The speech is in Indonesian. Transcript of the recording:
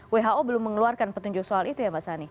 who belum mengeluarkan petunjuk soal itu ya mbak sani